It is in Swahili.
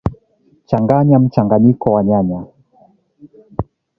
changanya mchanganyiko wa nyanya